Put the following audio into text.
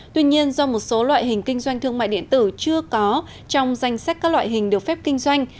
tuy nhiên do một số loại hình kinh doanh thương mại điện tử chưa có trong danh sách các loại hình được phép kinh doanh